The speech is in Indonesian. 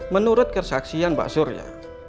menurut kesaksian pak surya